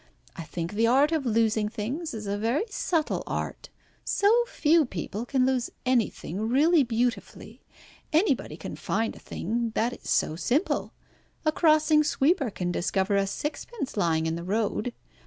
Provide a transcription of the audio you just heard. I think the art of losing things is a very subtle art. So few people can lose anything really beautifully. Anybody can find a thing. That is so simple. A crossing sweeper can discover a sixpence lying in the road.